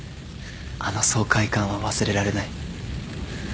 あの爽快感は忘れられない。